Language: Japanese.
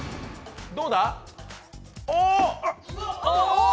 どうだ？